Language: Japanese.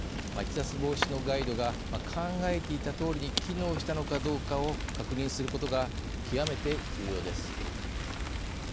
逸脱防止のガイドが考えていたとおりに機能したのかどうかを確認することが極めて重要です。